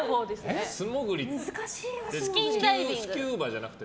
スキューバじゃなくて？